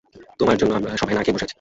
তোমার জন্যে আমরা সবাই না-খেয়ে বসে আছি।